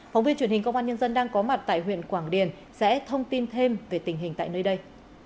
phóng viên truyền hình công an nhân dân đang có mặt tại huyện quảng điền sẽ thông tin thêm về tình hình tại nơi đây